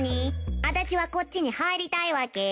足立はこっちに入りたいわけ？